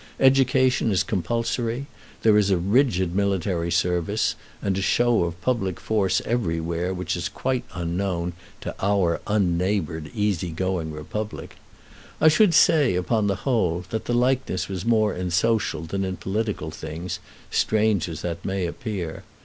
Education is compulsory, and there is a rigid military service, and a show of public force everywhere which is quite unknown to our unneighbored, easy going republic. I should say, upon the whole, that the likeness was more in social than in political things, strange as that may appear.